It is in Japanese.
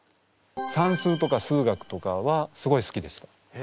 算数とか数学とかはすごい好きでした。